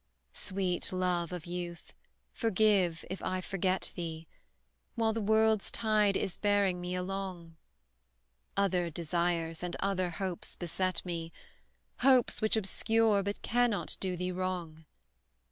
Sweet Love of youth, forgive, if I forget thee, While the world's tide is bearing me along; Other desires and other hopes beset me, Hopes which obscure, but cannot do thee wrong!